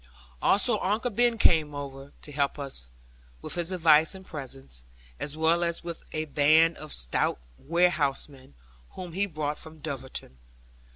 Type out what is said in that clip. Also Uncle Ben came over to help us with his advice and presence, as well as with a band of stout warehousemen, whom he brought from Dulverton.